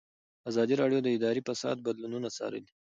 ازادي راډیو د اداري فساد بدلونونه څارلي.